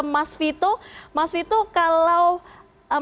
mas wito kalau mas wito sudah berbicara